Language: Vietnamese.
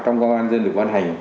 trong công an nhân dân được ban hành